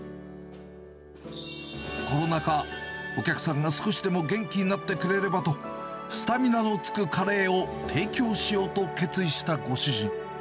コロナ禍、お客さんが少しでも元気になってくれればと、スタミナのつくカレーを提供しようと決意したご主人。